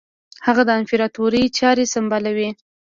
هغه د امپراطوري چاري سمبالوي.